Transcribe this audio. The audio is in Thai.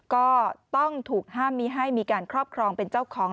ก็ต้องถูกห้ามมีให้มีการครอบครองเป็นเจ้าของ